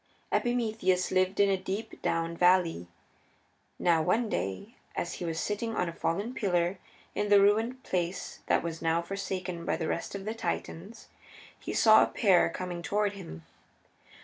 Epimetheus lived in a deep down valley. Now one day, as he was sitting on a fallen pillar in the ruined place that was now forsaken by the rest of the Titans, he saw a pair coming toward him.